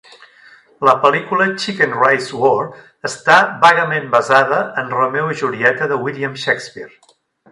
La pel·lícula "Chicken Rice War" està vagament basada en "Romeo i Julieta" de William Shakespeare.